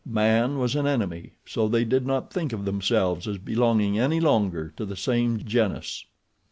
Man was an enemy, so they did not think of themselves as belonging any longer to the same genus.